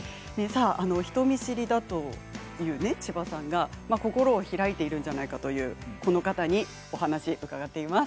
人見知りだという千葉さんが心を開いているんじゃないかというこの方にお話を伺っています。